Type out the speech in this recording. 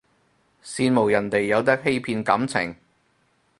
羨慕人哋有得欺騙感情